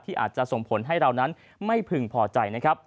ที่อาจจะส่งผลให้เรานั้นไม่พึงพอใจ